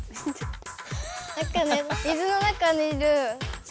なんかね水の中にいる魚。